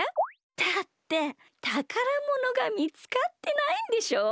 だってたからものがみつかってないんでしょ？